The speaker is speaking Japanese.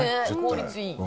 効率いい。